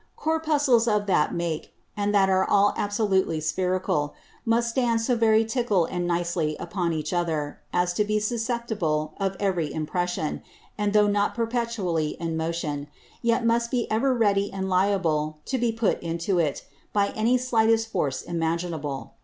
Corpuscles of that make, and that are all absolutely Spherical, must stand so very tickle and nicely upon each other, as to be susceptible of every Impression; and though not perpetually in Motion, yet must be ever ready and liable to be put into it, by any the slightest Force imaginable.